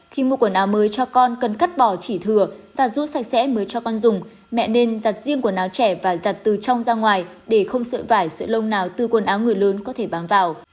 khi mua quần áo mới cho con cần cắt bỏ chỉ thừa giặt rút sạch sẽ mới cho con dùng mẹ nên giặt riêng quần áo trẻ và giặt từ trong ra ngoài để không sợi vải sợi lông nào từ quần áo người lớn có thể bám vào